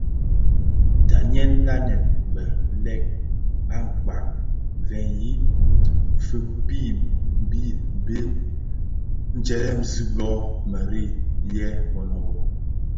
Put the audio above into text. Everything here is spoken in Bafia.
Ntanyèn nlanèn bëlëk a kpaň veg i fikpmid mbi bè dheremzi byō mëghei yè mënōbō.